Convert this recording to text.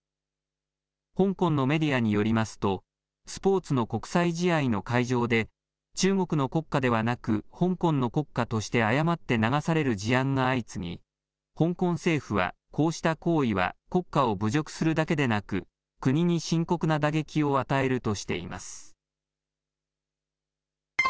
香港のメディアによりますと、スポーツの国際試合の会場で、中国の国歌ではなく、香港の国歌として誤って流される事案が相次ぎ、香港政府は、こうした行為は国歌を侮辱するだけではなく、国に深刻な打撃を与えるとしています。